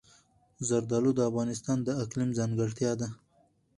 زردالو د افغانستان د اقلیم ځانګړتیا ده.